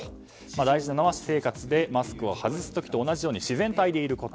大事なのは私生活でマスクを外す時と同じように自然体でいること。